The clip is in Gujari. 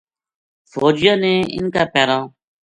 فوجیاں نے اِنھ کا پیراں